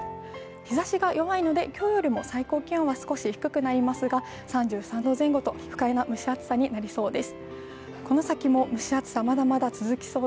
日ざしが弱いので、今日よりも最高気温は少し低くなりますが、３３度前後と不快な蒸し暑さとなりそうです。